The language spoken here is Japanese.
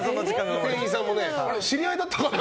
店員さんも知り合いだったかな？